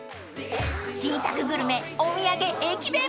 ［新作グルメお土産駅弁］